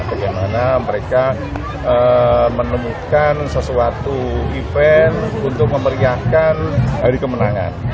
bagaimana mereka menemukan sesuatu event untuk memeriahkan hari kemenangan